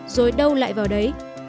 rồi đâu lại vào đấy